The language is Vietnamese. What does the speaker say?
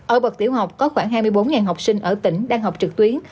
ở bậc tiểu học có khoảng hai mươi bốn học sinh ở tỉnh đang học trực tuyến